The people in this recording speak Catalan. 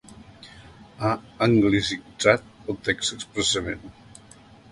Ha anglicitzat el text expressament.